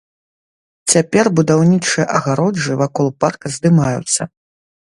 Цяпер будаўнічыя агароджы вакол парка здымаюцца.